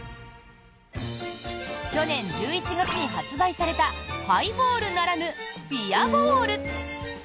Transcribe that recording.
去年１１月に発売されたハイボールならぬビアボール。